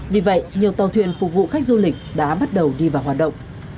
vì vậy nhiều tàu thuyền phục vụ khách du lịch đã bắt đầu đi vào hoạt động